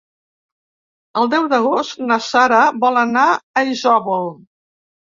El deu d'agost na Sara vol anar a Isòvol.